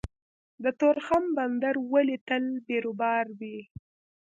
د تورخم بندر ولې تل بیروبار وي؟